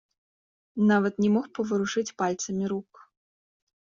Нават не мог паварушыць пальцамі рук.